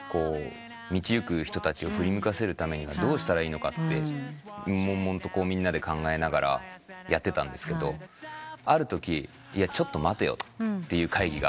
道行く人たちを振り向かせるためにはどうしたらいいのかってもんもんとみんなで考えながらやってたんですけどあるときちょっと待てよって会議があって。